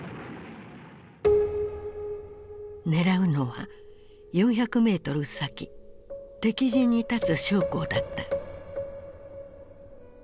狙うのは４００メートル先敵陣に立つ将校だった。